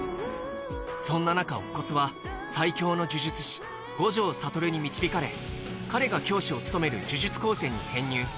そんななか乙骨は最強の呪術師五条悟に導かれ彼が教師を務める呪術高専に編入